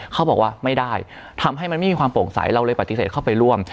เขาบอกว่าไม่ได้ทำให้มันไม่มีความโปร่งใสเราเลยปฏิเสธเข้าไปร่วม